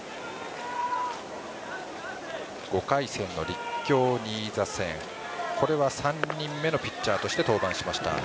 ５回戦の立教新座戦これは３人目のピッチャーとして登板しました。